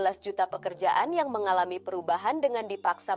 ada juga empat belas juta pekerjaan yang mengalami perubahan dengan keadaan kesehatan